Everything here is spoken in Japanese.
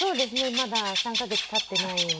まだ３カ月経っていないので。